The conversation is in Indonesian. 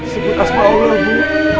sebut asmaullah bu